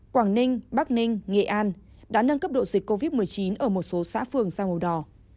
quảng ninh bắc ninh nghệ an đã nâng cấp độ dịch covid một mươi chín ở một số xã phường sang màu đỏ